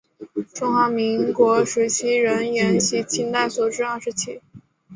中华民国时期仍沿袭清代所置二十旗。